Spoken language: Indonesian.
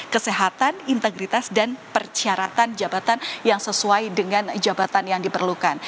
kesehatan integritas dan persyaratan jabatan yang sesuai dengan jabatan yang diperlukan